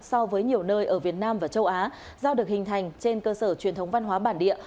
so với nhiều nơi ở việt nam và châu á do được hình thành trên cơ sở truyền thống văn hóa bản địa